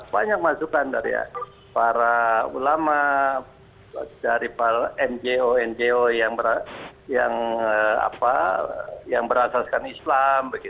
banyak masukan dari para ulama dari para ngo ngo yang berasaskan islam